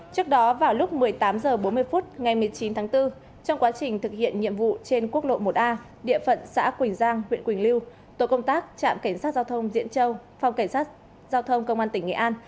trước đó vào lúc một mươi tám h bốn mươi phút ngày một mươi chín tháng bốn trong quá trình thực hiện nhiệm vụ trên quốc lộ một a địa phận xã quỳnh giang huyện quỳnh lưu tổ công tác trạm cảnh sát giao thông diễn châu phòng cảnh sát giao thông công an tỉnh nghệ an